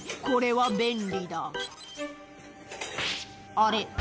これは便利だあれ？